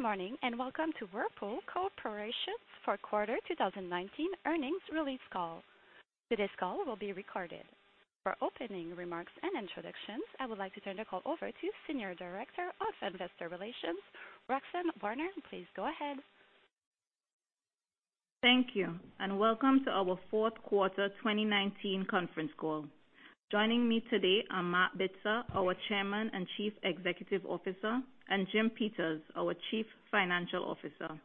Good morning. Welcome to Whirlpool Corporation's fourth quarter 2019 earnings release call. Today's call will be recorded. For opening remarks and introductions, I would like to turn the call over to Senior Director of Investor Relations, Roxanne Warner. Please go ahead. Thank you, welcome to our fourth quarter 2019 conference call. Joining me today are Marc Bitzer, our Chairman and Chief Executive Officer, and Jim Peters, our Chief Financial Officer.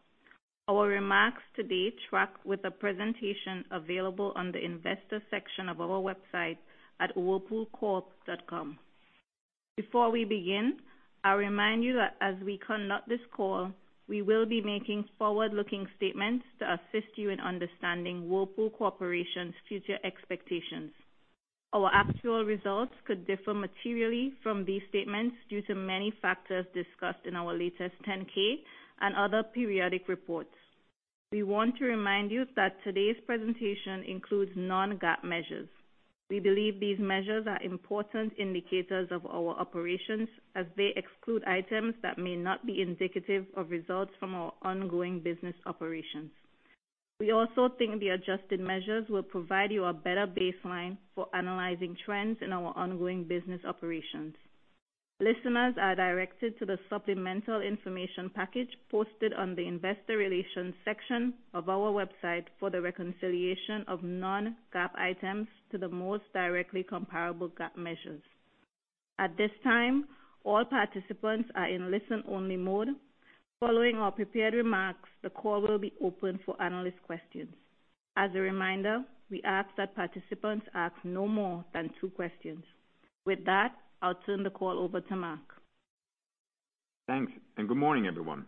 Our remarks today track with a presentation available on the investor section of our website at whirlpoolcorp.com. Before we begin, I remind you that as we conduct this call, we will be making forward-looking statements to assist you in understanding Whirlpool Corporation's future expectations. Our actual results could differ materially from these statements due to many factors discussed in our latest 10-K and other periodic reports. We want to remind you that today's presentation includes non-GAAP measures. We believe these measures are important indicators of our operations as they exclude items that may not be indicative of results from our ongoing business operations. We also think the adjusted measures will provide you a better baseline for analyzing trends in our ongoing business operations. Listeners are directed to the supplemental information package posted on the investor relations section of our website for the reconciliation of non-GAAP items to the most directly comparable GAAP measures. At this time, all participants are in listen-only mode. Following our prepared remarks, the call will be open for analyst questions. As a reminder, we ask that participants ask no more than two questions. With that, I'll turn the call over to Marc. Thanks, good morning, everyone.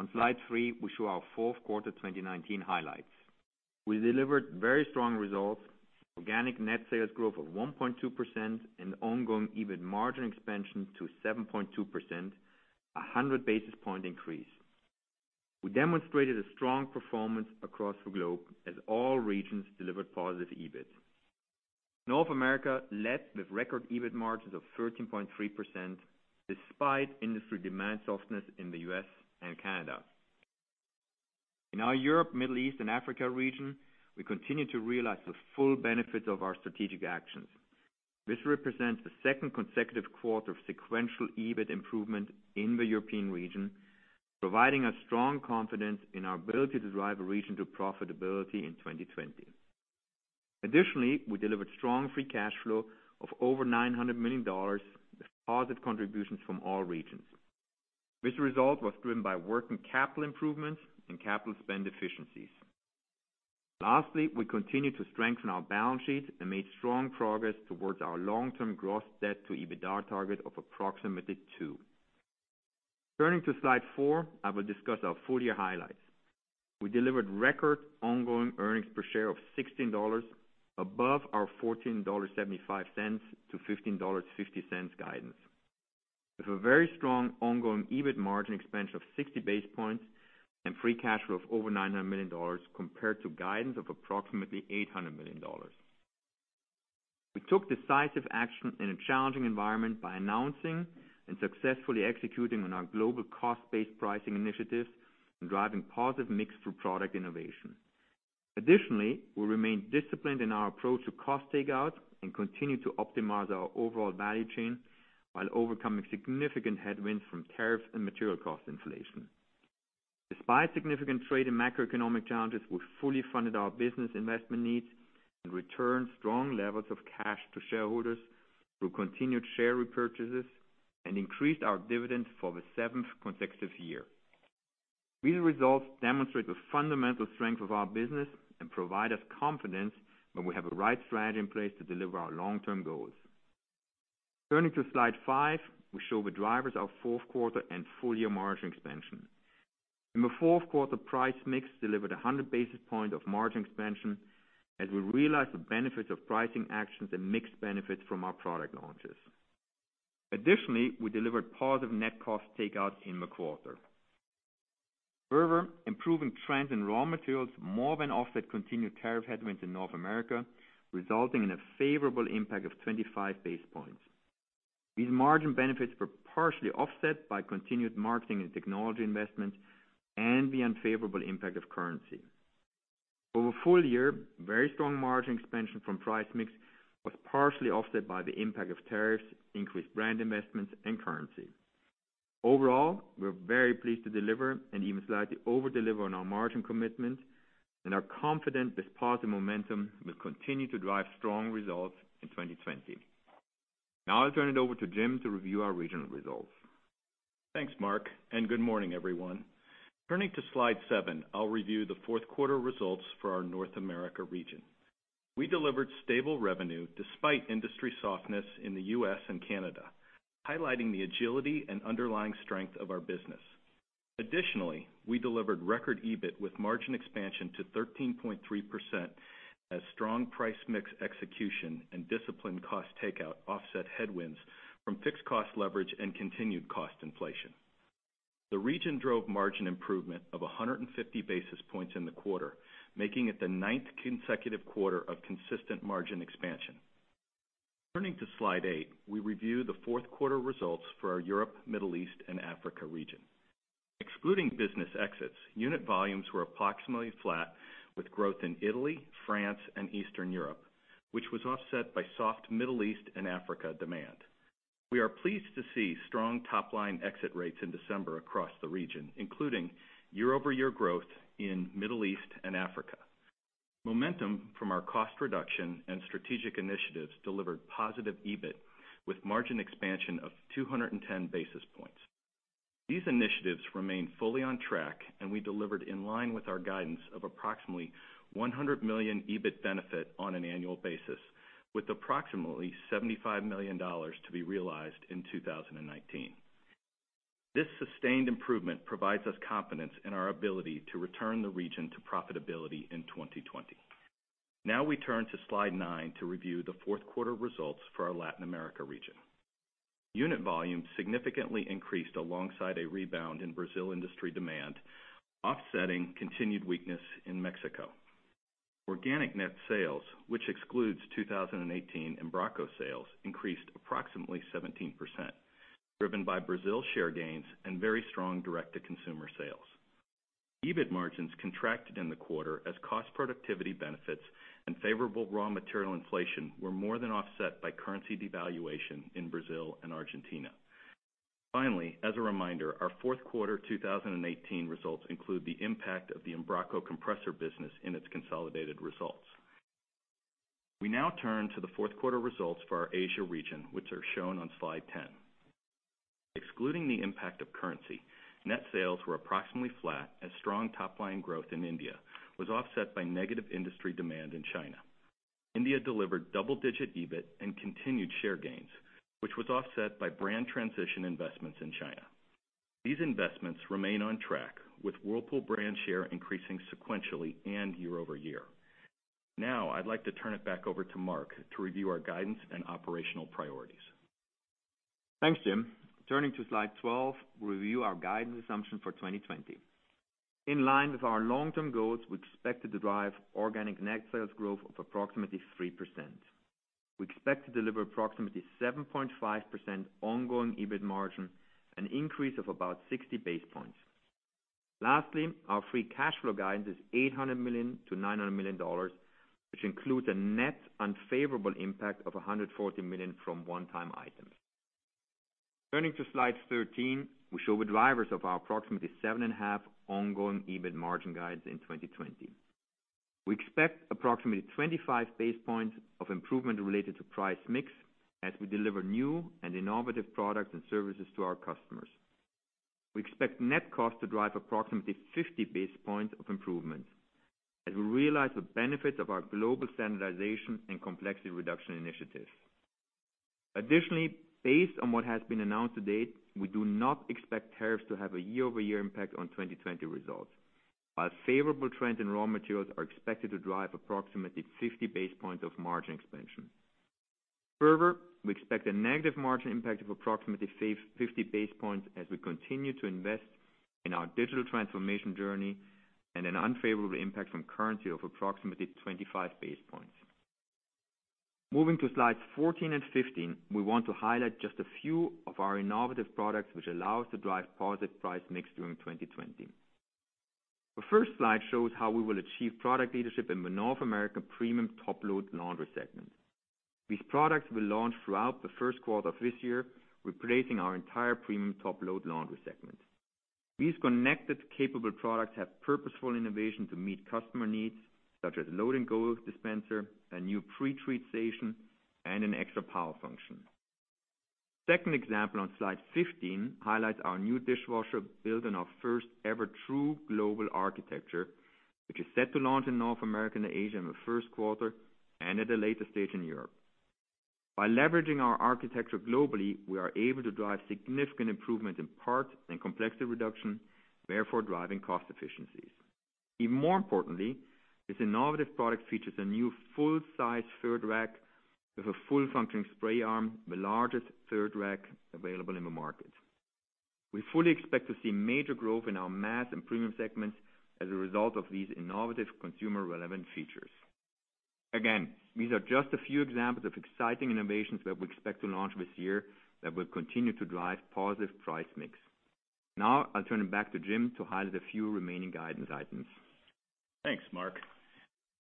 On slide three, we show our fourth quarter 2019 highlights. We delivered very strong results, organic net sales growth of 1.2%, and ongoing EBIT margin expansion to 7.2%, 100 basis point increase. We demonstrated a strong performance across the globe as all regions delivered positive EBIT. North America led with record EBIT margins of 13.3%, despite industry demand softness in the U.S. and Canada. In our Europe, Middle East, and Africa region, we continue to realize the full benefits of our strategic actions. This represents the second consecutive quarter of sequential EBIT improvement in the European region, providing us strong confidence in our ability to drive the region to profitability in 2020. Additionally, we delivered strong free cash flow of over $900 million with positive contributions from all regions. This result was driven by working capital improvements and capital spend efficiencies. Lastly, we continued to strengthen our balance sheet and made strong progress towards our long-term gross debt to EBITDA target of approximately two. Turning to slide four, I will discuss our full-year highlights. We delivered record ongoing earnings per share of $16, above our $14.75-$15.50 guidance. With a very strong ongoing EBIT margin expansion of 60 basis points and free cash flow of over $900 million compared to guidance of approximately $800 million. We took decisive action in a challenging environment by announcing and successfully executing on our global cost-based pricing initiatives and driving positive mix through product innovation. Additionally, we remained disciplined in our approach to cost takeout and continued to optimize our overall value chain while overcoming significant headwinds from tariffs and material cost inflation. Despite significant trade and macroeconomic challenges, we fully funded our business investment needs and returned strong levels of cash to shareholders through continued share repurchases and increased our dividends for the seventh consecutive year. These results demonstrate the fundamental strength of our business and provide us confidence that we have the right strategy in place to deliver our long-term goals. Turning to slide five, we show the drivers of fourth quarter and full-year margin expansion. In the fourth quarter, price mix delivered 100 basis points of margin expansion as we realized the benefits of pricing actions and mix benefits from our product launches. Additionally, we delivered positive net cost takeouts in the quarter. Further, improving trends in raw materials more than offset continued tariff headwinds in North America, resulting in a favorable impact of 25 basis points. These margin benefits were partially offset by continued marketing and technology investments and the unfavorable impact of currency. Over full year, very strong margin expansion from price mix was partially offset by the impact of tariffs, increased brand investments, and currency. Overall, we're very pleased to deliver and even slightly over-deliver on our margin commitments and are confident this positive momentum will continue to drive strong results in 2020. I'll turn it over to Jim to review our regional results. Thanks, Marc. Good morning, everyone. Turning to slide seven, I'll review the fourth quarter results for our North America region. We delivered stable revenue despite industry softness in the U.S. and Canada, highlighting the agility and underlying strength of our business. Additionally, we delivered record EBIT with margin expansion to 13.3% as strong price mix execution and disciplined cost takeout offset headwinds from fixed cost leverage and continued cost inflation. The region drove margin improvement of 150 basis points in the quarter, making it the ninth consecutive quarter of consistent margin expansion. Turning to slide eight, we review the fourth quarter results for our Europe, Middle East, and Africa region. Excluding business exits, unit volumes were approximately flat with growth in Italy, France, and Eastern Europe, which was offset by soft Middle East and Africa demand. We are pleased to see strong top-line exit rates in December across the region, including year-over-year growth in Middle East and Africa. Momentum from our cost reduction and strategic initiatives delivered positive EBIT, with margin expansion of 210 basis points. These initiatives remain fully on track, and we delivered in line with our guidance of approximately $100 million EBIT benefit on an annual basis, with approximately $75 million to be realized in 2019. This sustained improvement provides us confidence in our ability to return the region to profitability in 2020. We turn to slide nine to review the fourth quarter results for our Latin America region. Unit volumes significantly increased alongside a rebound in Brazil industry demand, offsetting continued weakness in Mexico. Organic net sales, which excludes 2018 Embraco sales, increased approximately 17%, driven by Brazil share gains and very strong direct-to-consumer sales. EBIT margins contracted in the quarter as cost productivity benefits and favorable raw material inflation were more than offset by currency devaluation in Brazil and Argentina. Finally, as a reminder, our fourth quarter 2018 results include the impact of the Embraco compressor business in its consolidated results. We now turn to the fourth quarter results for our Asia region, which are shown on slide 10. Excluding the impact of currency, net sales were approximately flat as strong top-line growth in India was offset by negative industry demand in China. India delivered double-digit EBIT and continued share gains, which was offset by brand transition investments in China. These investments remain on track, with Whirlpool brand share increasing sequentially and year-over-year. Now, I'd like to turn it back over to Marc to review our guidance and operational priorities. Thanks, Jim. Turning to slide 12, we review our guidance assumption for 2020. In line with our long-term goals, we expect to derive organic net sales growth of approximately 3%. We expect to deliver approximately 7.5% ongoing EBIT margin, an increase of about 60 basis points. Lastly, our free cash flow guidance is $800 million-$900 million, which includes a net unfavorable impact of $140 million from one-time items. Turning to slide 13, we show the drivers of our approximately 7.5% ongoing EBIT margin guides in 2020. We expect approximately 25 basis points of improvement related to price mix as we deliver new and innovative products and services to our customers. We expect net cost to drive approximately 50 basis points of improvement as we realize the benefits of our global standardization and complexity reduction initiatives. Additionally, based on what has been announced to date, we do not expect tariffs to have a year-over-year impact on 2020 results, while favorable trends in raw materials are expected to drive approximately 50 basis points of margin expansion. Further, we expect a negative margin impact of approximately 50 basis points as we continue to invest in our digital transformation journey and an unfavorable impact from currency of approximately 25 basis points. Moving to slides 14 and 15, we want to highlight just a few of our innovative products which allow us to drive positive price mix during 2020. The first slide shows how we will achieve product leadership in the North America premium top-load laundry segment. These products will launch throughout the first quarter of this year, replacing our entire premium top-load laundry segment. These connected, capable products have purposeful innovation to meet customer needs, such as Load & Go dispenser, a new pretreat station, and an extra power function. Second example on slide 15 highlights our new dishwasher built on our first-ever true global architecture, which is set to launch in North America and Asia in the first quarter, and at a later stage in Europe. By leveraging our architecture globally, we are able to drive significant improvement in parts and complexity reduction, therefore, driving cost efficiencies. Even more importantly, this innovative product features a new full-size third rack with a full-functioning spray arm, the largest third rack available in the market. We fully expect to see major growth in our mass and premium segments as a result of these innovative consumer-relevant features. Again, these are just a few examples of exciting innovations that we expect to launch this year that will continue to drive positive price mix. Now, I'll turn it back to Jim to highlight a few remaining guidance items. Thanks, Marc.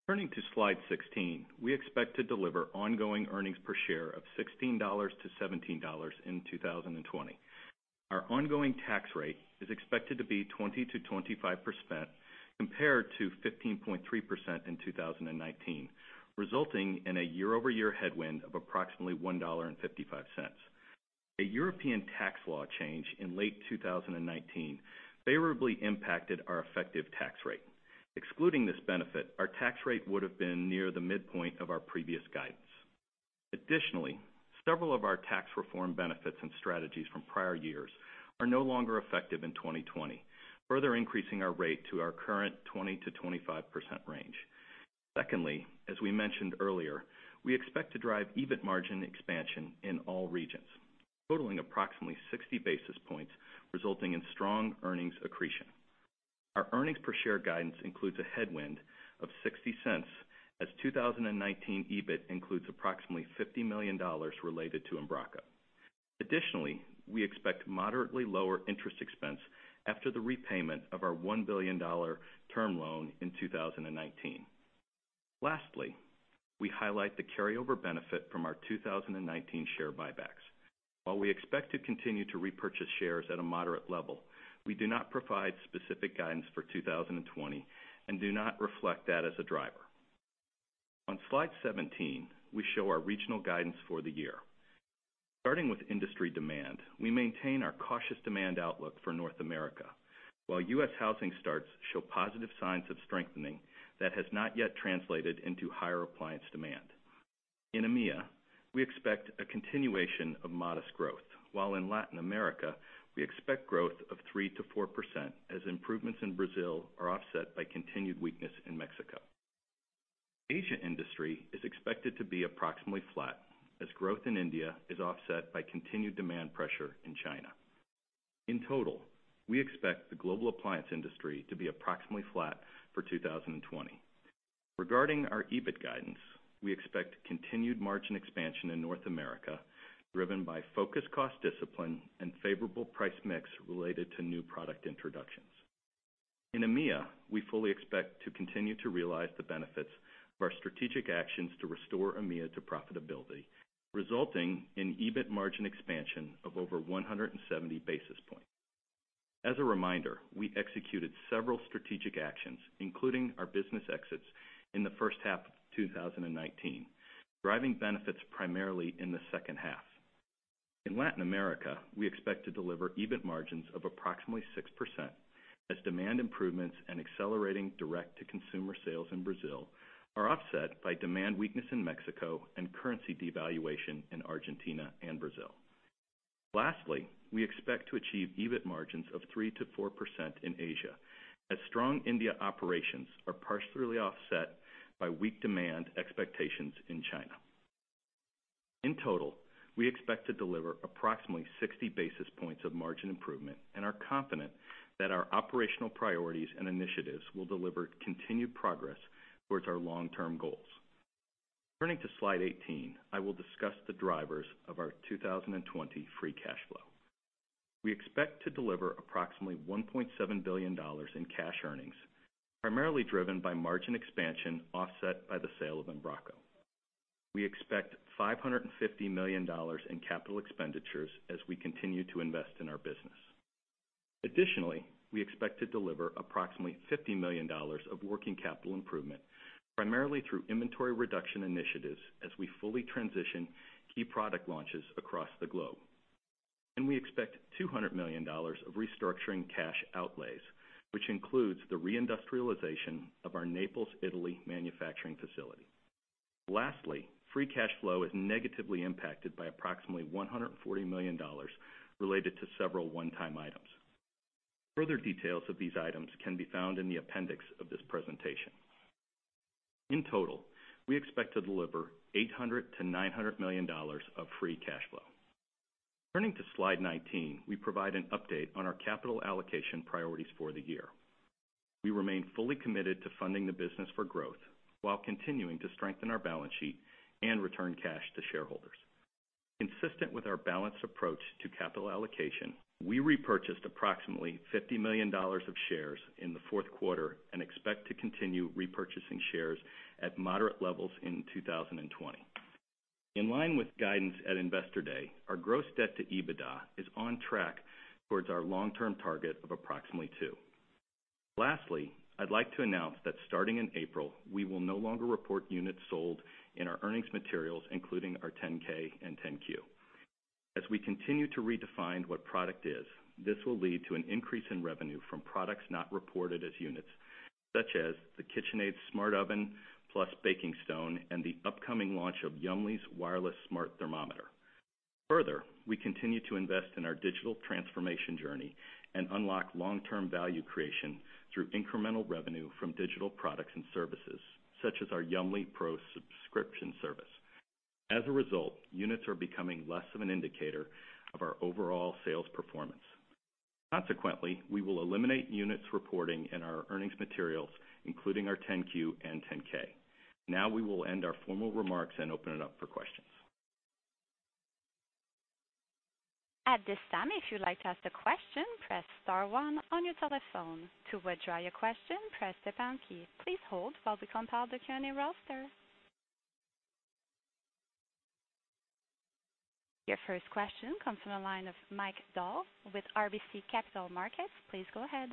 Turning to slide 16, we expect to deliver ongoing earnings per share of $16-$17 in 2020. Our ongoing tax rate is expected to be 20%-25%, compared to 15.3% in 2019, resulting in a year-over-year headwind of approximately $1.55. A European tax law change in late 2019 favorably impacted our effective tax rate. Excluding this benefit, our tax rate would have been near the midpoint of our previous guidance. Additionally, several of our tax reform benefits and strategies from prior years are no longer effective in 2020, further increasing our rate to our current 20%-25% range. Secondly, as we mentioned earlier, we expect to drive EBIT margin expansion in all regions, totaling approximately 60 basis points, resulting in strong earnings accretion. Our earnings per share guidance includes a headwind of $0.60, as 2019 EBIT includes approximately $50 million related to Embraco. Additionally, we expect moderately lower interest expense after the repayment of our $1 billion term loan in 2019. Lastly, we highlight the carryover benefit from our 2019 share buybacks. While we expect to continue to repurchase shares at a moderate level, we do not provide specific guidance for 2020 and do not reflect that as a driver. On slide 17, we show our regional guidance for the year. Starting with industry demand, we maintain our cautious demand outlook for North America. While U.S. housing starts show positive signs of strengthening, that has not yet translated into higher appliance demand. In EMEA, we expect a continuation of modest growth, while in Latin America, we expect growth of 3%-4% as improvements in Brazil are offset by continued weakness in Mexico. Asia industry is expected to be approximately flat as growth in India is offset by continued demand pressure in China. In total, we expect the global appliance industry to be approximately flat for 2020. Regarding our EBIT guidance, we expect continued margin expansion in North America, driven by focused cost discipline and favorable price mix related to new product introductions. In EMEA, we fully expect to continue to realize the benefits of our strategic actions to restore EMEA to profitability, resulting in EBIT margin expansion of over 170 basis points. As a reminder, we executed several strategic actions, including our business exits in the first half of 2019, driving benefits primarily in the second half. In Latin America, we expect to deliver EBIT margins of approximately 6%, as demand improvements and accelerating direct-to-consumer sales in Brazil are offset by demand weakness in Mexico and currency devaluation in Argentina and Brazil. Lastly, we expect to achieve EBIT margins of 3%-4% in Asia, as strong India operations are partially offset by weak demand expectations in China. In total, we expect to deliver approximately 60 basis points of margin improvement and are confident that our operational priorities and initiatives will deliver continued progress towards our long-term goals. Turning to slide 18, I will discuss the drivers of our 2020 free cash flow. We expect to deliver approximately $1.7 billion in cash earnings, primarily driven by margin expansion offset by the sale of Embraco. We expect $550 million in capital expenditures as we continue to invest in our business. Additionally, we expect to deliver approximately $50 million of working capital improvement, primarily through inventory reduction initiatives as we fully transition key product launches across the globe. We expect $200 million of restructuring cash outlays, which includes the reindustrialization of our Naples, Italy manufacturing facility. Lastly, free cash flow is negatively impacted by approximately $140 million related to several one-time items. Further details of these items can be found in the appendix of this presentation. In total, we expect to deliver $800 million-$900 million of free cash flow. Turning to slide 19, we provide an update on our capital allocation priorities for the year. We remain fully committed to funding the business for growth while continuing to strengthen our balance sheet and return cash to shareholders. Consistent with our balanced approach to capital allocation, we repurchased approximately $50 million of shares in the fourth quarter and expect to continue repurchasing shares at moderate levels in 2020. In line with guidance at Investor Day, our gross debt to EBITDA is on track towards our long-term target of approximately two. Lastly, I'd like to announce that starting in April, we will no longer report units sold in our earnings materials, including our 10-K and 10-Q. As we continue to redefine what product is, this will lead to an increase in revenue from products not reported as units, such as the KitchenAid Smart Oven+ plus baking stone, and the upcoming launch of Yummly's wireless smart thermometer. Further, we continue to invest in our digital transformation journey and unlock long-term value creation through incremental revenue from digital products and services such as our Yummly Pro subscription service. As a result, units are becoming less of an indicator of our overall sales performance. Consequently, we will eliminate units reporting in our earnings materials, including our 10-Q and 10-K. Now we will end our formal remarks and open it up for questions. At this time, if you'd like to ask a question, press star one on your telephone. To withdraw your question, press the pound key. Please hold while we compile the Q&A roster. Your first question comes from the line of Mike Dahl with RBC Capital Markets. Please go ahead.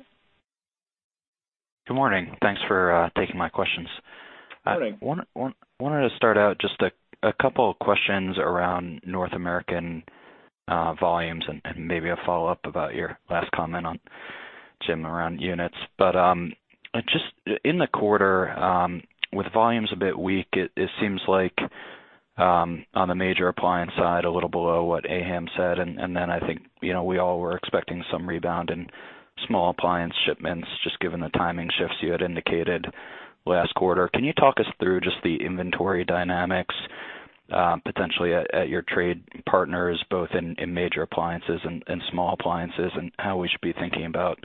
Good morning. Thanks for taking my questions. Good morning. Wanted to start out, just a couple of questions around North American volumes and maybe a follow-up about your last comment on, Jim, around units. Just in the quarter, with volumes a bit weak, it seems like, on the major appliance side, a little below what AHAM said, and then I think we all were expecting some rebound in small appliance shipments, just given the timing shifts you had indicated last quarter. Can you talk us through just the inventory dynamics potentially at your trade partners, both in major appliances and small appliances, and how we should be thinking about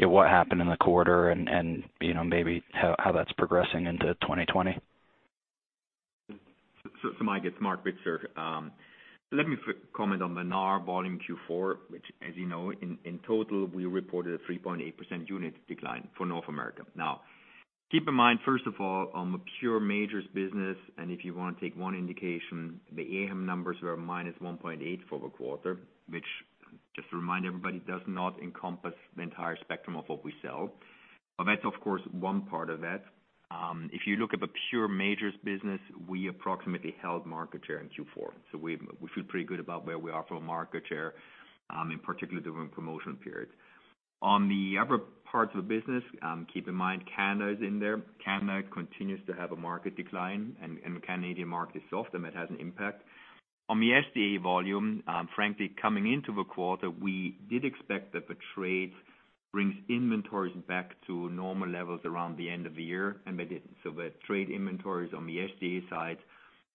what happened in the quarter and maybe how that's progressing into 2020. Mike, it's Marc Bitzer. Let me comment on the NAR volume Q4, which, as you know, in total, we reported a 3.8% unit decline for North America. Keep in mind, first of all, on the pure majors business, and if you want to take one indication, the AHAM numbers were -1.8% for the quarter, which just to remind everybody, does not encompass the entire spectrum of what we sell. That's, of course, one part of that. If you look at the pure majors business, we approximately held market share in Q4, so we feel pretty good about where we are for market share, in particular during promotion periods. On the other parts of the business, keep in mind, Canada is in there. Canada continues to have a market decline, and the Canadian market is soft, and it has an impact. On the SDA volume, frankly, coming into the quarter, we did expect that the trade brings inventories back to normal levels around the end of the year, and they didn't. The trade inventories on the SDA side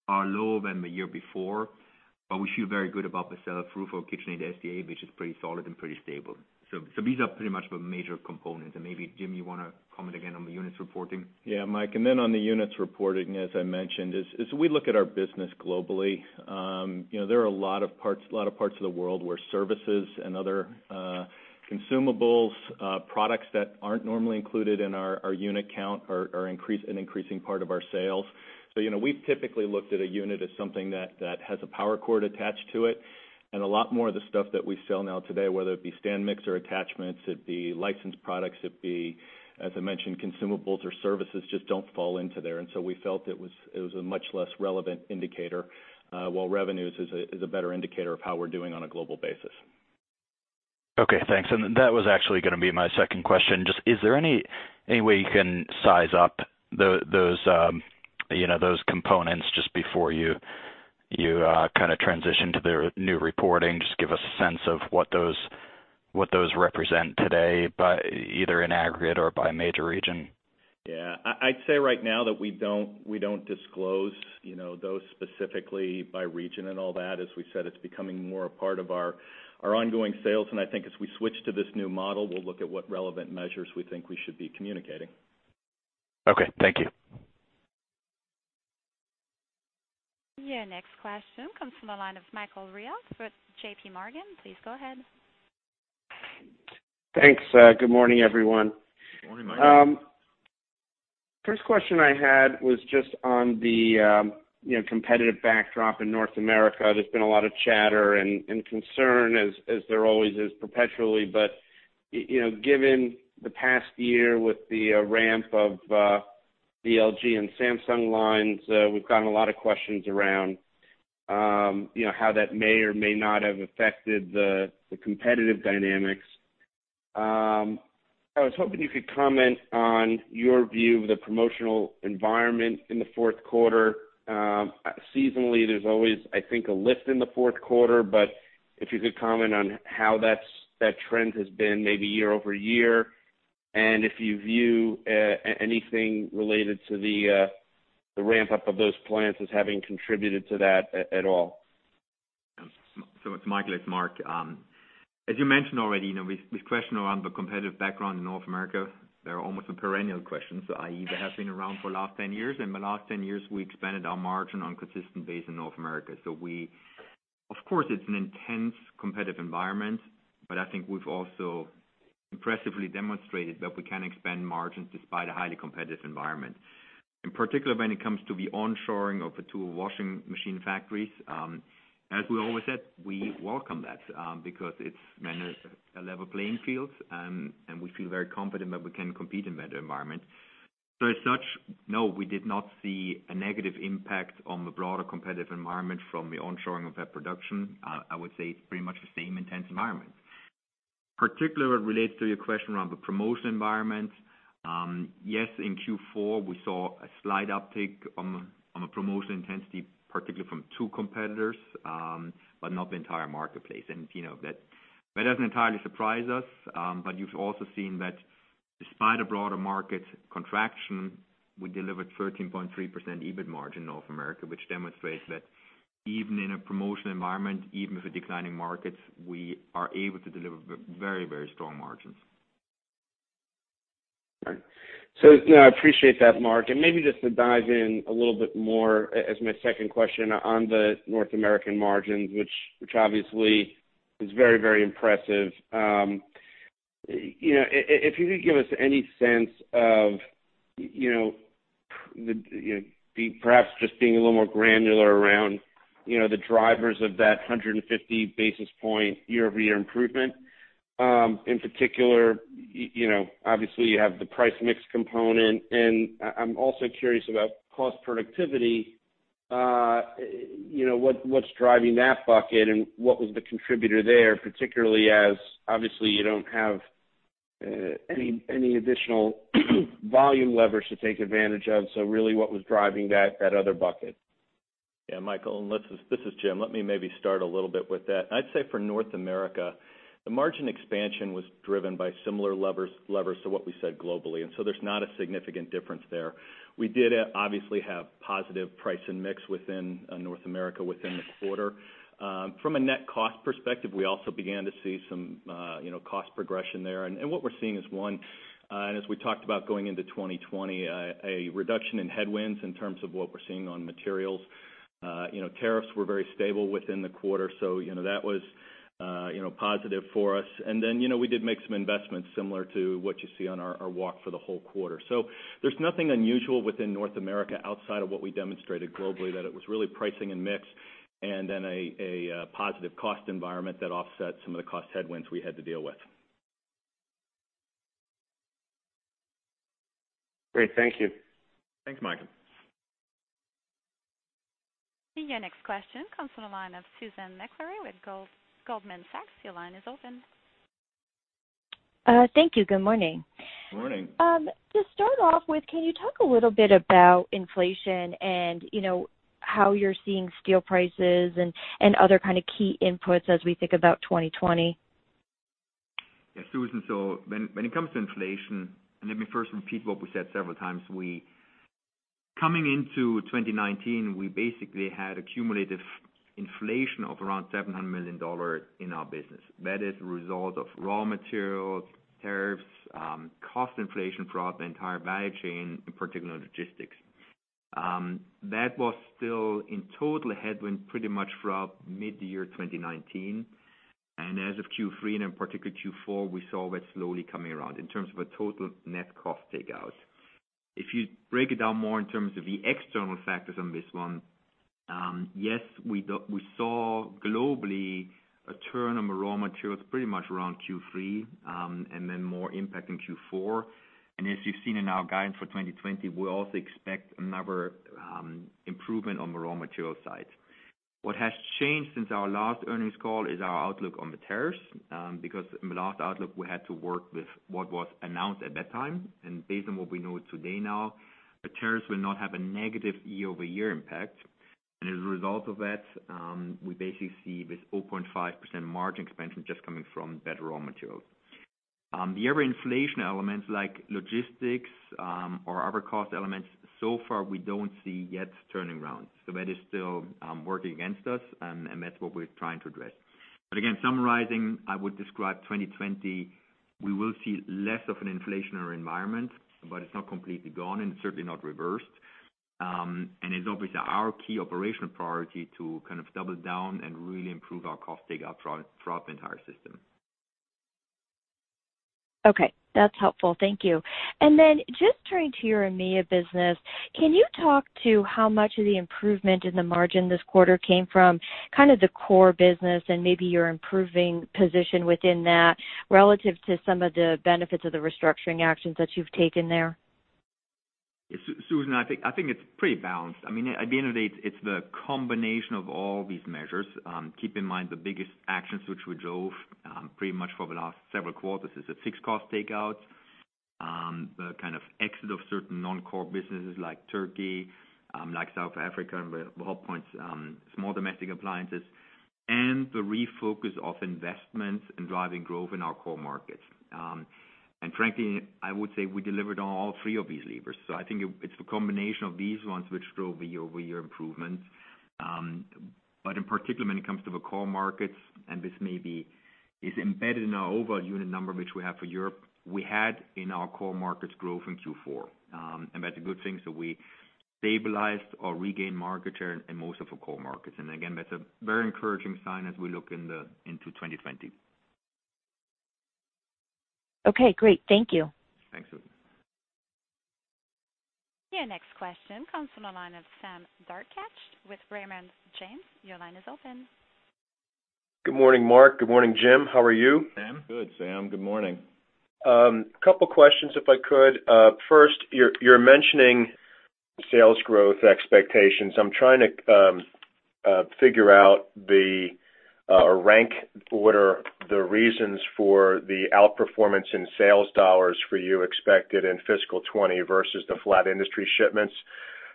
are lower than the year before, but we feel very good about the sell-through for KitchenAid SDA, which is pretty solid and pretty stable. These are pretty much the major components. Maybe, Jim, you want to comment again on the units reporting? Yeah, Mike. On the units reporting, as I mentioned, as we look at our business globally, there are a lot of parts of the world where services and other consumables, products that aren't normally included in our unit count are an increasing part of our sales. We've typically looked at a unit as something that has a power cord attached to it. A lot more of the stuff that we sell now today, whether it be stand mixer attachments, it be licensed products, it be, as I mentioned, consumables or services, just don't fall into there. We felt it was a much less relevant indicator, while revenues is a better indicator of how we're doing on a global basis. Okay, thanks. That was actually going to be my second question. Just is there any way you can size up those components just before you kind of transition to the new reporting? Just give us a sense of what those represent today, either in aggregate or by major region. Yeah. I'd say right now that we don't disclose those specifically by region and all that. As we said, it's becoming more a part of our ongoing sales, and I think as we switch to this new model, we'll look at what relevant measures we think we should be communicating. Okay, thank you. Your next question comes from the line of Michael Rehaut with JPMorgan. Please go ahead. Thanks. Good morning, everyone. Good morning, Michael. First question I had was just on the competitive backdrop in North America. There's been a lot of chatter and concern, as there always is perpetually. Given the past year with the ramp of the LG and Samsung lines, we've gotten a lot of questions around how that may or may not have affected the competitive dynamics. I was hoping you could comment on your view of the promotional environment in the fourth quarter. Seasonally, there's always, I think, a lift in the fourth quarter, but if you could comment on how that trend has been maybe year-over-year, and if you view anything related to the ramp-up of those plants as having contributed to that at all. Michael, it's Marc. As you mentioned already, this question around the competitive background in North America, they're almost a perennial question. I.e., they have been around for the last 10 years. In the last 10 years, we expanded our margin on a consistent base in North America. Of course, it's an intense competitive environment, but I think we've also impressively demonstrated that we can expand margins despite a highly competitive environment. In particular, when it comes to the on-shoring of the two washing machine factories, as we always said, we welcome that, because it's a level playing field, and we feel very confident that we can compete in that environment. As such, no, we did not see a negative impact on the broader competitive environment from the on-shoring of that production. I would say it's pretty much the same intense environment. Particularly what relates to your question around the promotion environment, yes, in Q4, we saw a slight uptick on the promotion intensity, particularly from two competitors, but not the entire marketplace. That doesn't entirely surprise us, but you've also seen that despite a broader market contraction, we delivered 13.3% EBIT margin in North America, which demonstrates that even in a promotional environment, even with declining markets, we are able to deliver very strong margins. All right. I appreciate that, Marc. Maybe just to dive in a little bit more as my second question on the North American margins, which obviously is very impressive. If you could give us any sense of perhaps just being a little more granular around the drivers of that 150 basis point year-over-year improvement. In particular, obviously you have the price mix component, and I'm also curious about cost productivity. What's driving that bucket, and what was the contributor there, particularly as obviously you don't have any additional volume leverage to take advantage of, so really what was driving that other bucket? Yeah, Michael, this is Jim. Let me maybe start a little bit with that. I'd say for North America, the margin expansion was driven by similar levers to what we said globally. There's not a significant difference there. We did obviously have positive price and mix within North America within the quarter. From a net cost perspective, we also began to see some cost progression there. What we're seeing is one, and as we talked about going into 2020, a reduction in headwinds in terms of what we're seeing on materials. Tariffs were very stable within the quarter. That was positive for us. We did make some investments similar to what you see on our walk for the whole quarter. There's nothing unusual within North America outside of what we demonstrated globally, that it was really pricing and mix and then a positive cost environment that offset some of the cost headwinds we had to deal with. Great. Thank you. Thanks, Michael. Your next question comes from the line of Susan Maklari with Goldman Sachs. Your line is open. Thank you. Good morning. Good morning. To start off with, can you talk a little bit about inflation and how you're seeing steel prices and other kind of key inputs as we think about 2020? Yeah, Susan, when it comes to inflation, let me first repeat what we said several times. Coming into 2019, we basically had accumulated inflation of around $700 million in our business. That is a result of raw materials, tariffs, cost inflation throughout the entire value chain, in particular logistics. That was still in total a headwind pretty much throughout mid-year 2019. As of Q3 and in particular Q4, we saw that slowly coming around in terms of a total net cost takeout. If you break it down more in terms of the external factors on this one, yes, we saw globally a turn on raw materials pretty much around Q3, then more impact in Q4. As you've seen in our guidance for 2020, we also expect another improvement on the raw material side. What has changed since our last earnings call is our outlook on the tariffs, because in the last outlook, we had to work with what was announced at that time. Based on what we know today now, the tariffs will not have a negative year-over-year impact. As a result of that, we basically see this 0.5% margin expansion just coming from better raw materials. The other inflation elements like logistics or other cost elements, so far we don't see yet turning around. That is still working against us, and that's what we're trying to address. Again, summarizing, I would describe 2020, we will see less of an inflationary environment, but it's not completely gone and certainly not reversed. It's obviously our key operational priority to kind of double down and really improve our cost takeout throughout the entire system. Okay. That's helpful. Thank you. Just turning to your EMEA business, can you talk to how much of the improvement in the margin this quarter came from kind of the core business and maybe your improving position within that relative to some of the benefits of the restructuring actions that you've taken there? Susan, I think it's pretty balanced. At the end of the day, it's the combination of all these measures. Keep in mind the biggest actions which we drove, pretty much for the last several quarters is the fixed cost takeout, the kind of exit of certain non-core businesses like Turkey, like South Africa and the Whirlpool SDA, small domestic appliances, and the refocus of investments in driving growth in our core markets. Frankly, I would say we delivered on all three of these levers. I think it's the combination of these ones which drove the year-over-year improvements. In particular, when it comes to the core markets, and this maybe is embedded in our overall unit number, which we have for Europe, we had in our core markets growth in Q4. That's a good thing. We stabilized or regained market share in most of our core markets. Again, that's a very encouraging sign as we look into 2020. Okay, great. Thank you. Thanks, Susan. Your next question comes from the line of Sam Darkatsh with Raymond James. Your line is open. Good morning, Marc. Good morning, Jim. How are you? Good, Sam. Good morning. A couple questions, if I could. First, you're mentioning sales growth expectations. I'm trying to figure out the rank. What are the reasons for the outperformance in sales dollars for you expected in fiscal 2020 versus the flat industry shipments?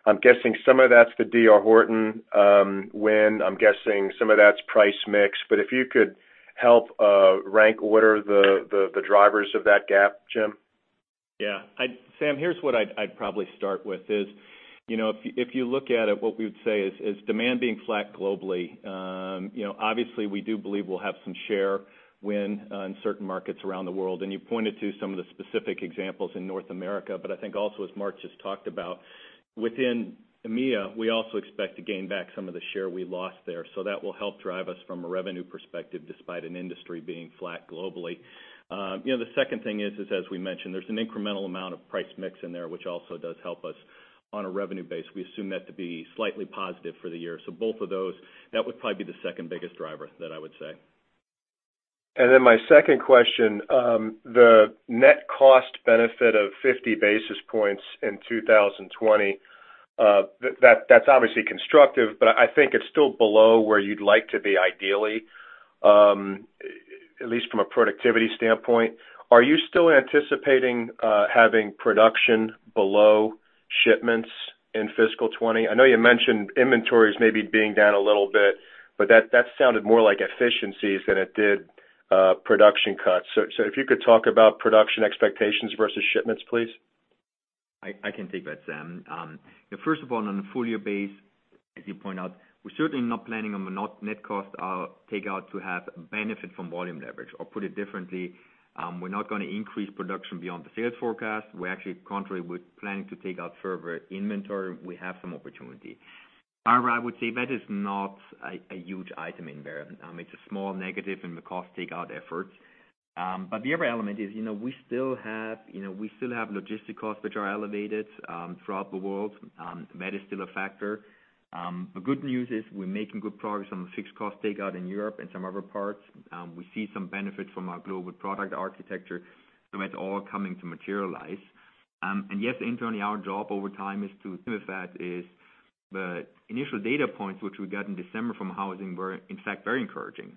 I'm guessing some of that's the D.R. Horton win. I'm guessing some of that's price mix. If you could help rank what are the drivers of that gap, Jim? Yeah. Sam, here's what I'd probably start with is, if you look at it, what we would say is demand being flat globally. We do believe we'll have some share win in certain markets around the world, and you pointed to some of the specific examples in North America. I think also as Marc just talked about, within EMEA, we also expect to gain back some of the share we lost there. That will help drive us from a revenue perspective, despite an industry being flat globally. The second thing is, as we mentioned, there's an incremental amount of price mix in there, which also does help us on a revenue base. We assume that to be slightly positive for the year. Both of those, that would probably be the second biggest driver that I would say. My second question, the net cost benefit of 50 basis points in 2020, that's obviously constructive, but I think it's still below where you'd like to be ideally. At least from a productivity standpoint, are you still anticipating having production below shipments in fiscal 2020? I know you mentioned inventories maybe being down a little bit, but that sounded more like efficiencies than it did production cuts. If you could talk about production expectations versus shipments, please. I can take that, Sam. Yeah, first of all, on a full year base, as you point out, we're certainly not planning on net cost takeout to have benefit from volume leverage. Put it differently, we're not going to increase production beyond the sales forecast. We actually, contrary, we're planning to take out further inventory. We have some opportunity. I would say that is not a huge item in there. It's a small negative in the cost takeout efforts. The other element is we still have logistical costs which are elevated throughout the world. That is still a factor. The good news is we're making good progress on the fixed cost takeout in Europe and some other parts. We see some benefits from our global product architecture. That's all coming to materialize. Yes, internally, our job overtime is to the fact is that initial data points, which we got in December from housing, were in fact very encouraging.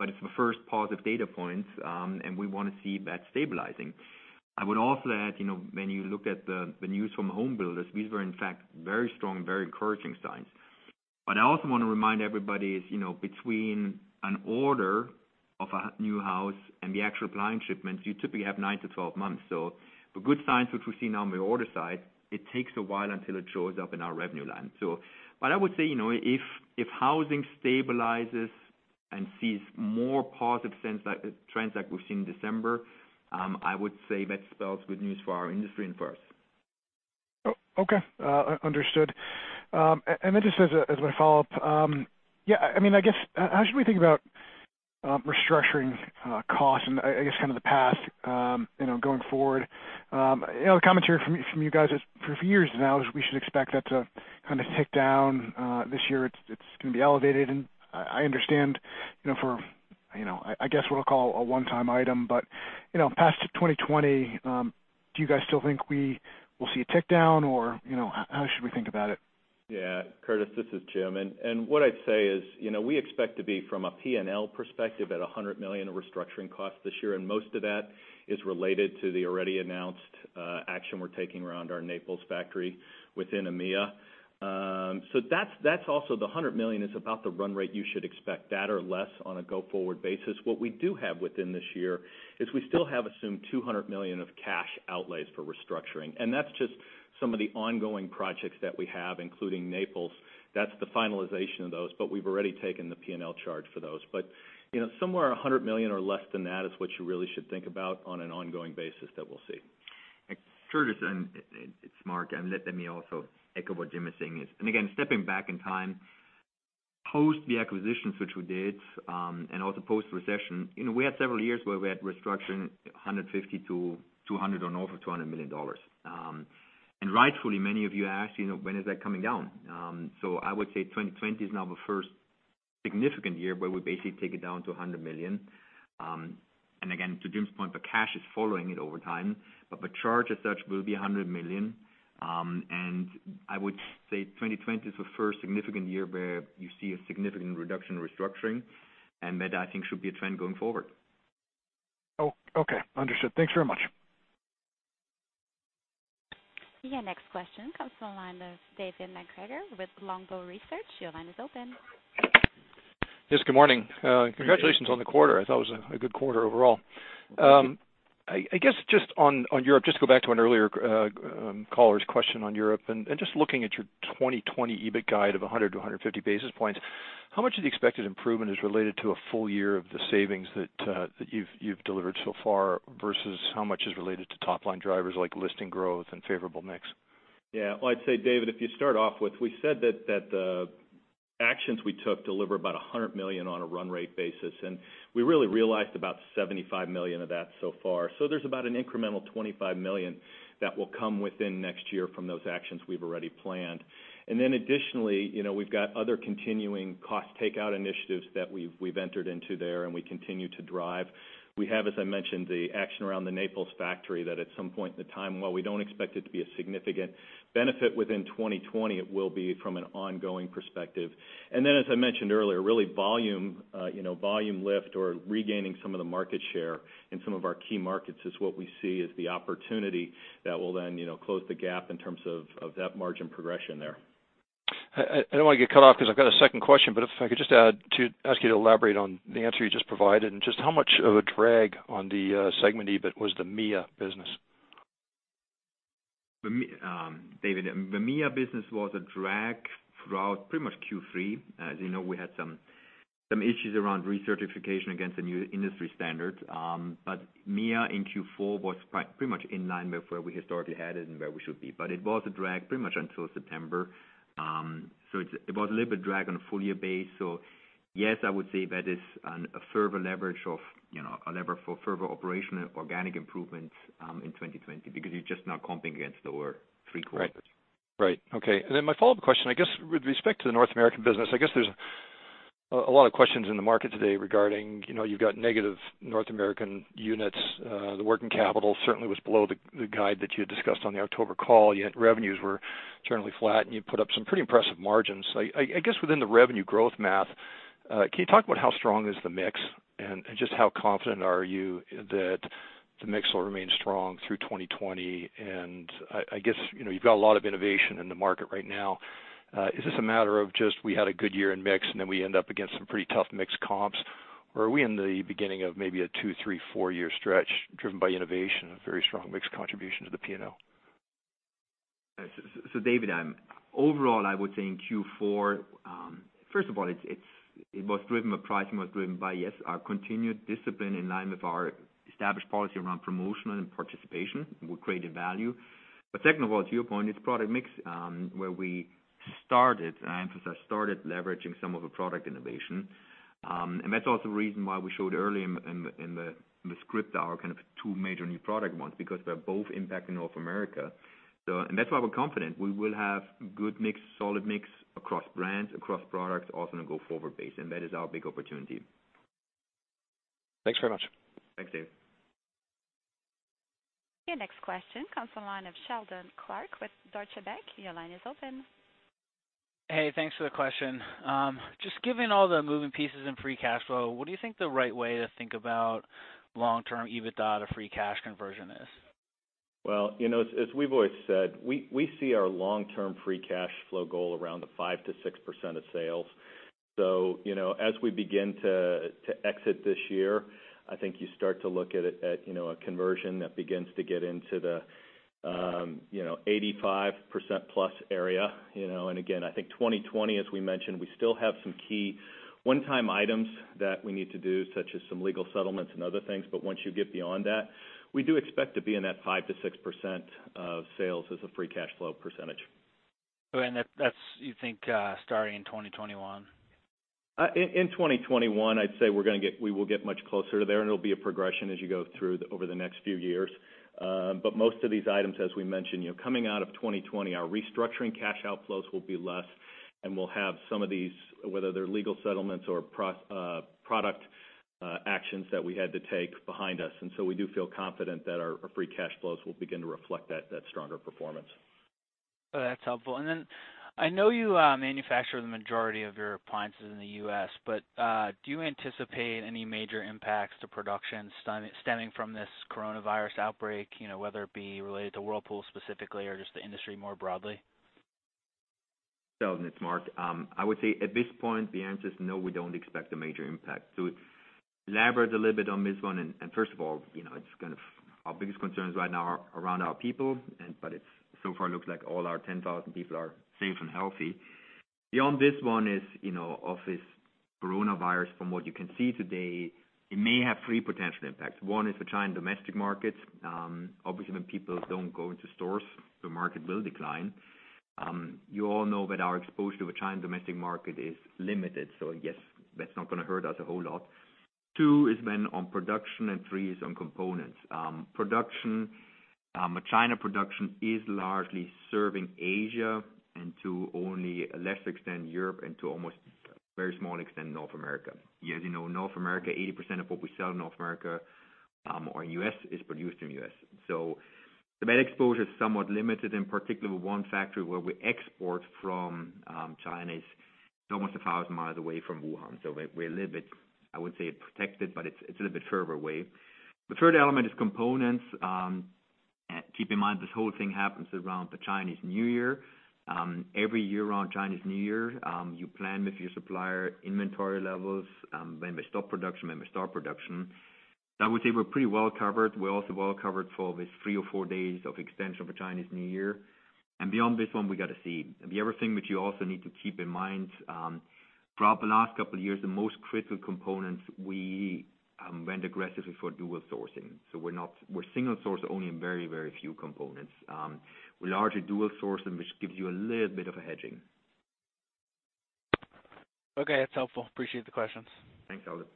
It's the first positive data points, and we want to see that stabilizing. I would also add, when you look at the news from home builders, these were in fact very strong, very encouraging signs. I also want to remind everybody is, between an order of a new house and the actual blind shipments, you typically have nine to 12 months. The good signs which we've seen on the order side, it takes a while until it shows up in our revenue line. I would say, if housing stabilizes and sees more positive trends like we've seen December, I would say that spells good news for our industry and for us. Okay. Understood. Then just as my follow-up, yeah, how should we think about restructuring costs and I guess the path going forward? The commentary from you guys is for a few years now is we should expect that to kind of tick down. This year it's going to be elevated, and I understand, for, I guess what I'll call a one-time item, but past 2020, do you guys still think we will see a tick down or how should we think about it? Curtis, this is Jim. What I'd say is, we expect to be from a P&L perspective at $100 million of restructuring costs this year, most of that is related to the already announced action we're taking around our Naples factory within EMEA. That's also the $100 million is about the run rate you should expect, that or less on a go-forward basis. What we do have within this year is we still have assumed $200 million of cash outlays for restructuring, that's just some of the ongoing projects that we have, including Naples. That's the finalization of those, we've already taken the P&L charge for those. Somewhere $100 million or less than that is what you really should think about on an ongoing basis that we'll see. Curtis, it's Marc, let me also echo what Jim is saying is, and again, stepping back in time, post the acquisitions which we did, and also post-recession, we had several years where we had restructuring $150 million to $200 million or over $200 million. Rightfully, many of you asked, when is that coming down? I would say 2020 is now the first significant year where we basically take it down to $100 million. Again, to Jim's point, the cash is following it over time, but the charge as such will be $100 million. I would say 2020 is the first significant year where you see a significant reduction in restructuring, and that I think should be a trend going forward. Oh, okay. Understood. Thanks very much. Your next question comes from the line of David MacGregor with Longbow Research. Your line is open. Yes, good morning. Good morning. Congratulations on the quarter. I thought it was a good quarter overall. I guess just on Europe, just to go back to an earlier caller's question on Europe and just looking at your 2020 EBIT guide of 100-150 basis points, how much of the expected improvement is related to a full year of the savings that you've delivered so far versus how much is related to top-line drivers like listing growth and favorable mix? Yeah. Well, I'd say, David, if you start off with, we said that the actions we took deliver about $100 million on a run rate basis, and we really realized about $75 million of that so far. There's about an incremental $25 million that will come within next year from those actions we've already planned. Additionally, we've got other continuing cost takeout initiatives that we've entered into there and we continue to drive. We have, as I mentioned, the action around the Naples factory that at some point in the time, while we don't expect it to be a significant benefit within 2020, it will be from an ongoing perspective. As I mentioned earlier, really volume lift or regaining some of the market share in some of our key markets is what we see as the opportunity that will then close the gap in terms of that margin progression there. I don't want to get cut off because I've got a second question, but if I could just add to ask you to elaborate on the answer you just provided, and just how much of a drag on the segment EBIT was the MEA business? David, the MEA business was a drag throughout pretty much Q3. As you know, we had some issues around recertification against the new industry standards. MEA in Q4 was pretty much in line with where we historically had it and where we should be. It was a drag pretty much until September. It was a little bit drag on a full year base. Yes, I would say that is a lever for further operational organic improvements in 2020 because you're just now comping against the three quarters. Right. Okay. My follow-up question, I guess with respect to the North American business, I guess there's a lot of questions in the market today regarding, you've got negative North American units. The working capital certainly was below the guide that you had discussed on the October call, yet revenues were generally flat, and you put up some pretty impressive margins. I guess within the revenue growth math. Can you talk about how strong is the mix and just how confident are you that the mix will remain strong through 2020? I guess, you've got a lot of innovation in the market right now. Is this a matter of just we had a good year in mix, and then we end up against some pretty tough mix comps, or are we in the beginning of maybe a two, three, four-year stretch driven by innovation and very strong mix contribution to the P&L? David, overall, I would say in Q4, first of all, pricing was driven by, yes, our continued discipline in line with our established policy around promotional and participation. We created value. Second of all, to your point, it's product mix, where we, I emphasize started leveraging some of the product innovation. That's also the reason why we showed early in the script our kind of two major new product ones, because they're both impacting North America. That's why we're confident we will have good mix, solid mix across brands, across products, also in a go-forward base, and that is our big opportunity. Thanks very much. Thanks, David. Your next question comes from the line of Seldon Clarke with Deutsche Bank. Your line is open. Hey, thanks for the question. Just given all the moving pieces in free cash flow, what do you think the right way to think about long-term EBITDA to free cash conversion is? Well, as we've always said, we see our long-term free cash flow goal around the 5%-6% of sales. As we begin to exit this year, I think you start to look at a conversion that begins to get into the 85%-plus area, and again, I think 2020, as we mentioned, we still have some key one-time items that we need to do, such as some legal settlements and other things. Once you get beyond that, we do expect to be in that 5%-6% of sales as a free cash flow percentage. That's, you think, starting in 2021? In 2021, I'd say we will get much closer to there, and it'll be a progression as you go through over the next few years. Most of these items, as we mentioned, coming out of 2020, our restructuring cash outflows will be less, and we'll have some of these, whether they're legal settlements or product actions that we had to take behind us. We do feel confident that our free cash flows will begin to reflect that stronger performance. Oh, that's helpful. I know you manufacture the majority of your appliances in the U.S., do you anticipate any major impacts to production stemming from this coronavirus outbreak? Whether it be related to Whirlpool specifically or just the industry more broadly? Seldon, it's Marc. I would say at this point, the answer is no, we don't expect a major impact. To elaborate a little bit on this one, first of all, our biggest concerns right now are around our people. It so far looks like all our 10,000 people are safe and healthy. Beyond this one is, of this coronavirus, from what you can see today, it may have three potential impacts. One is the China domestic markets. Obviously, when people don't go into stores, the market will decline. You all know that our exposure to the China domestic market is limited, yes, that's not going to hurt us a whole lot. Two is then on production, three is on components. Production. China production is largely serving Asia to only a lesser extent, Europe, to almost a very small extent, North America. As you know, North America, 80% of what we sell in North America, or U.S., is produced in the U.S. That exposure is somewhat limited. In particular, one factory where we export from, China, is almost 1,000 miles away from Wuhan. We're a little bit, I wouldn't say protected, but it's a little bit further away. The third element is components. Keep in mind, this whole thing happens around the Chinese New Year. Every year around Chinese New Year, you plan with your supplier inventory levels. When we stop production, when we start production. I would say we're pretty well-covered. We're also well-covered for this three or four days of extension for Chinese New Year. Beyond this one, we got to see. The other thing which you also need to keep in mind, throughout the last couple of years, the most critical components we went aggressively for dual sourcing. We're single source only in very few components. We largely dual source them, which gives you a little bit of a hedging. Okay. That's helpful. Appreciate the questions. Thanks, Seldon.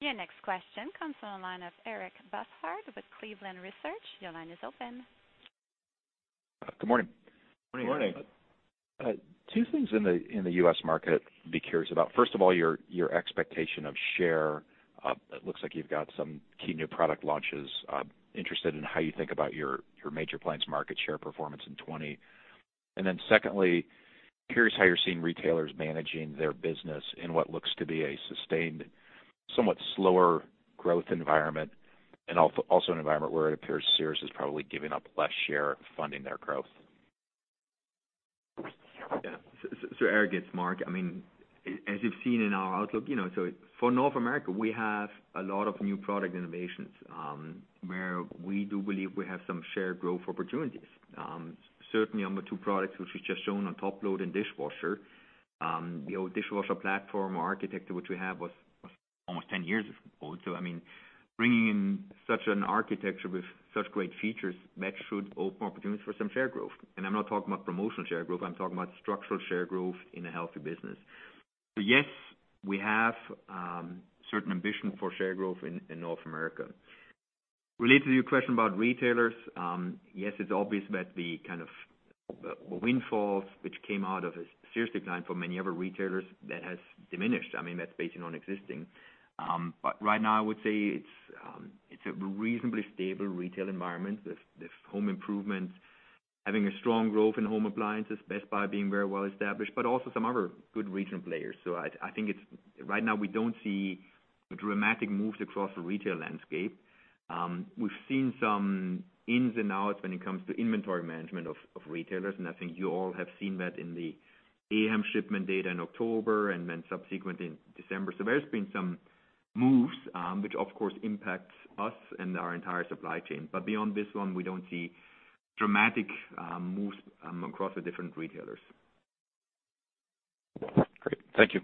Your next question comes on the line of Eric Bosshard with Cleveland Research. Your line is open. Good morning. Morning. Morning. Two things in the U.S. market I'd be curious about. First of all, your expectation of share. It looks like you've got some key new product launches. I'm interested in how you think about your major plans market share performance in 2020. Secondly, curious how you're seeing retailers managing their business in what looks to be a sustained, somewhat slower growth environment, and also an environment where it appears Sears is probably giving up less share funding their growth. Yeah. Eric, it's Marc. As you've seen in our outlook, for North America, we have a lot of new product innovations, where we do believe we have some share growth opportunities. Certainly on the two products which we've just shown on top load and dishwasher. The old dishwasher platform architecture, which we have was almost 10 years old. Bringing in such an architecture with such great features, that should open opportunities for some share growth. I'm not talking about promotional share growth, I'm talking about structural share growth in a healthy business. Yes, we have certain ambition for share growth in North America. Related to your question about retailers, yes, it's obvious that the kind of windfalls which came out of a Sears decline for many other retailers, that has diminished. That's based on existing. Right now, I would say it's a reasonably stable retail environment with home improvement. Having a strong growth in home appliances, Best Buy being very well established, but also some other good regional players. I think right now we don't see dramatic moves across the retail landscape. We've seen some ins and outs when it comes to inventory management of retailers, and I think you all have seen that in the AHAM shipment data in October and then subsequent in December. There's been some moves, which of course impacts us and our entire supply chain. Beyond this one, we don't see dramatic moves across the different retailers. Great. Thank you.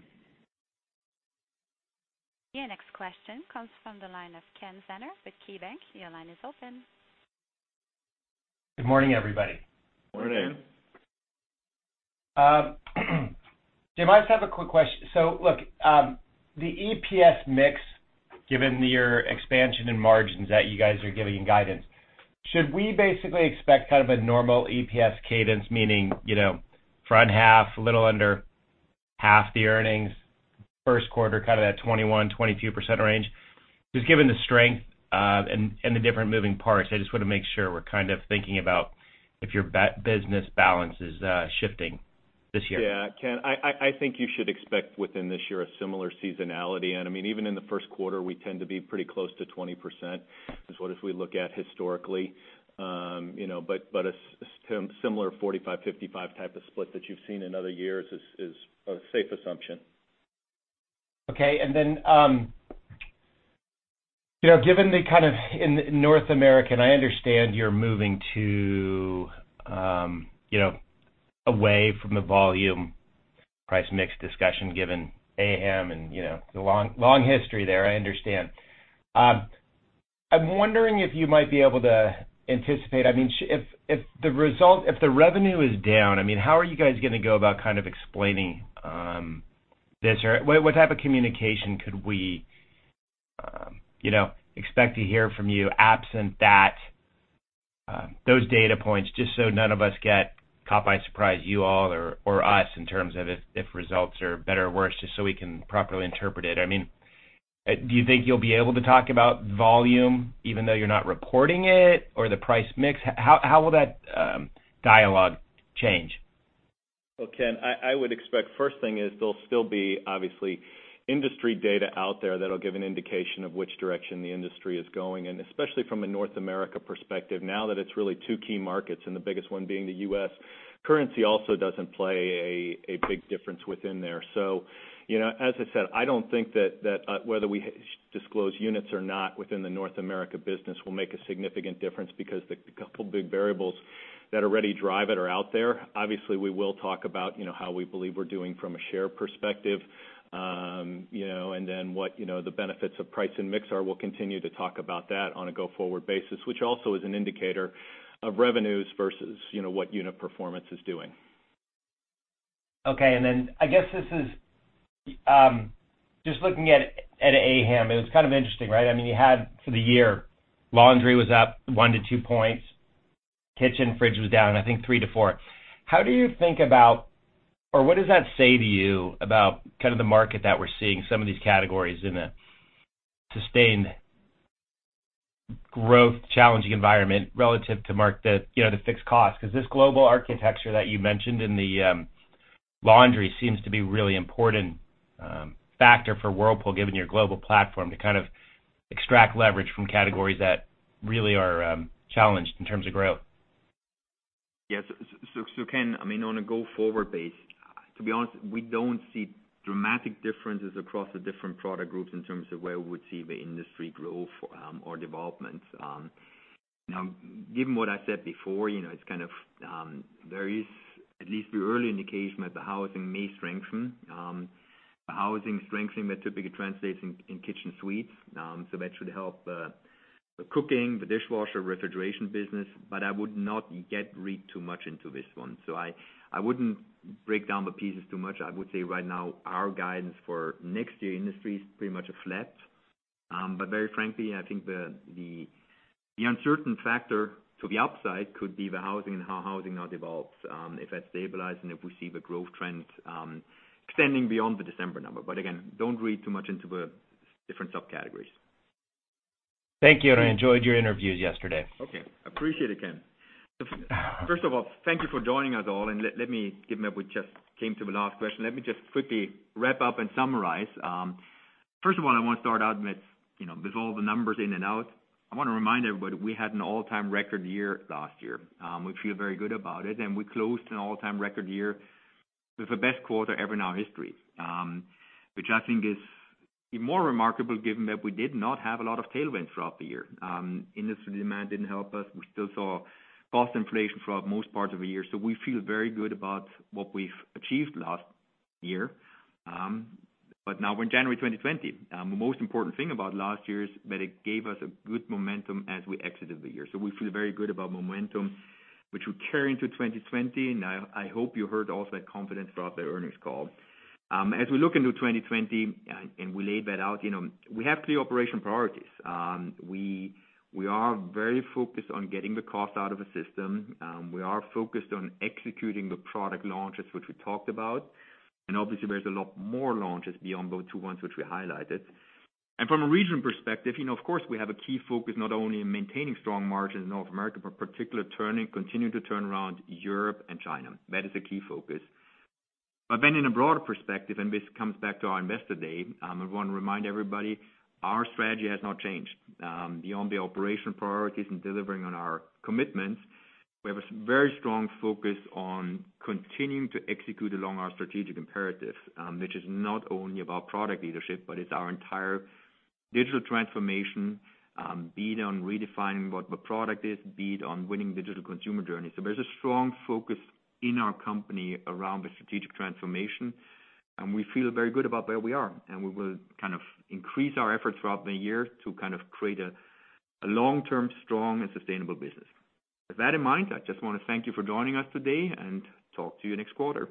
Your next question comes from the line of Ken Zener with KeyBanc. Your line is open. Good morning, everybody. Morning. Jim, I just have a quick question. Look, the EPS mix, given your expansion and margins that you guys are giving in guidance, should we basically expect kind of a normal EPS cadence, meaning, front half, a little under half the earnings, first quarter, kind of that 21, 22% range? Just given the strength and the different moving parts, I just want to make sure we're kind of thinking about if your business balance is shifting this year. Yeah, Ken, I think you should expect within this year a similar seasonality. I mean, even in the first quarter, we tend to be pretty close to 20%, is what if we look at historically. But a similar 45/55 type of split that you've seen in other years is a safe assumption. Given the kind of in North America, I understand you're moving away from the volume price mix discussion given AHAM and the long history there, I understand. I'm wondering if you might be able to anticipate, if the revenue is down, how are you guys going to go about kind of explaining this, or what type of communication could we expect to hear from you absent that, those data points, just so none of us get caught by surprise, you all or us, in terms of if results are better or worse, just so we can properly interpret it? Do you think you'll be able to talk about volume even though you're not reporting it, or the price mix? How will that dialogue change? Ken, I would expect first thing is there'll still be obviously industry data out there that'll give an indication of which direction the industry is going in, especially from a North America perspective, now that it's really two key markets and the biggest one being the U.S. Currency also doesn't play a big difference within there. As I said, I don't think that whether we disclose units or not within the North America business will make a significant difference because the couple big variables that already drive it are out there. We will talk about how we believe we're doing from a share perspective, and then what the benefits of price and mix are. We'll continue to talk about that on a go-forward basis, which also is an indicator of revenues versus what unit performance is doing. Okay, I guess this is just looking at AHAM. It was kind of interesting, right? You had for the year, laundry was up one to two points, kitchen fridge was down, I think three to four. How do you think about, or what does that say to you about the market that we're seeing some of these categories in a sustained growth challenging environment relative to fixed cost? This global architecture that you mentioned in the laundry seems to be really important factor for Whirlpool, given your global platform to kind of extract leverage from categories that really are challenged in terms of growth. Yes. Ken, on a go-forward base, to be honest, we don't see dramatic differences across the different product groups in terms of where we would see the industry growth or developments. Given what I said before, there is at least the early indication that the housing may strengthen. Housing strengthening, that typically translates in kitchen suites. That should help the cooking, the dishwasher, refrigeration business, I would not yet read too much into this one. I wouldn't break down the pieces too much. I would say right now our guidance for next year industry is pretty much a flat. Very frankly, I think the uncertain factor to the upside could be the housing and how housing now develops. If that stabilizes and if we see the growth trends extending beyond the December number. Again, don't read too much into the different subcategories. Thank you. I enjoyed your interviews yesterday. Okay. Appreciate it, Ken. First of all, thank you for joining us all, and given that we just came to the last question, let me just quickly wrap up and summarize. First of all, I want to start out with all the numbers in and out. I want to remind everybody we had an all-time record year last year. We feel very good about it, and we closed an all-time record year with the best quarter ever in our history, which I think is even more remarkable given that we did not have a lot of tailwinds throughout the year. Industry demand didn't help us. We still saw cost inflation throughout most parts of the year. We feel very good about what we've achieved last year. Now we're in January 2020. The most important thing about last year is that it gave us a good momentum as we exited the year. We feel very good about momentum, which we carry into 2020, and I hope you heard also that confidence throughout the earnings call. As we look into 2020, and we laid that out, we have clear operation priorities. We are very focused on getting the cost out of the system. We are focused on executing the product launches, which we talked about. Obviously, there's a lot more launches beyond those two ones which we highlighted. From a region perspective, of course, we have a key focus not only in maintaining strong margins in North America but particularly continuing to turn around Europe and China. That is a key focus. In a broader perspective, and this comes back to our investor day, I want to remind everybody, our strategy has not changed. Beyond the operation priorities and delivering on our commitments, we have a very strong focus on continuing to execute along our strategic imperatives, which is not only about product leadership, but it's our entire digital transformation, be it on redefining what the product is, be it on winning digital consumer journeys. There's a strong focus in our company around the strategic transformation, and we feel very good about where we are, and we will kind of increase our efforts throughout the year to kind of create a long-term strong and sustainable business. With that in mind, I just want to thank you for joining us today and talk to you next quarter.